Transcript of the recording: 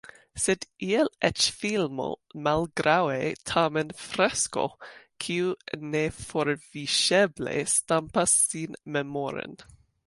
Sed iel eĉ filmo Mal-graŭe tamen fresko, kiu neforviŝeble stampas sin memoren.